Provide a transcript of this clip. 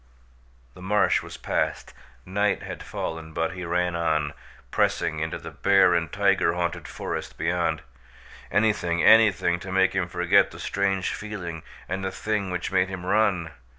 The marsh was passed, night had fallen, but he ran on, pressing into the bear and tiger haunted forest beyond. Anything, anything, to make him forget the strange feeling and the thing which made him run!